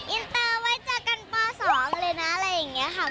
อินเตอร์ไว้เจอกันป๒เลยนะอะไรอย่างนี้ค่ะ